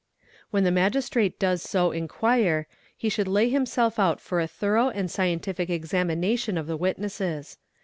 When the Magistrate does so inquire, he should lay himself out for a thorough and scientific examination of the witnesses.